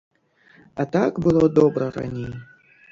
А так было добра раней!